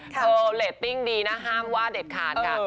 เธอเรตติ้งดีนะห้ามว่าเด็ดขาดค่ะ